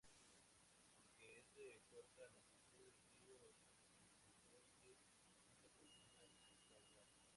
Aunque es de corta longitud, el río Cifuentes cuenta con un gran caudal.